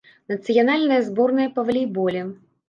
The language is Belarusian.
Нацыянальная зборная па валейболе.